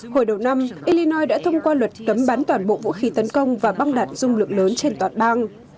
hồi đầu năm elinoi đã thông qua luật cấm bán toàn bộ vũ khí tấn công và băng đạt dung lượng lớn trên toàn bang